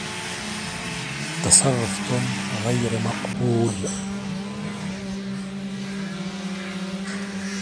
تصرف توم غير مقبول.